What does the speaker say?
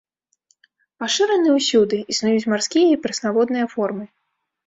Пашыраны ўсюды, існуюць марскія і прэснаводныя формы.